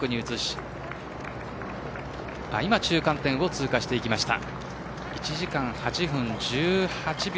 女子は今中間点を通過してきました。